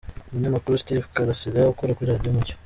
Umunyamakuru Steven Karasira ukora kuri Radio Umucyo.